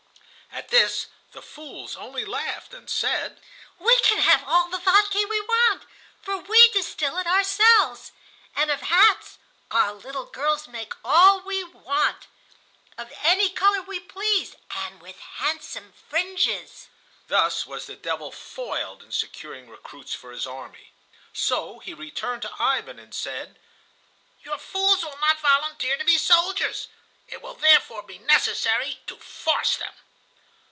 At this the fools only laughed, and said: "We can have all the vodka we want, for we distill it ourselves; and of hats, our little girls make all we want, of any color we please, and with handsome fringes." Thus was the devil foiled in securing recruits for his army; so he returned to Ivan and said: "Your fools will not volunteer to be soldiers. It will therefore be necessary to force them."